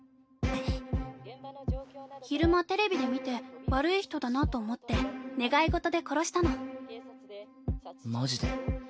んっ昼間テレビで見て悪い人だなと思って願い事で殺したのマジで？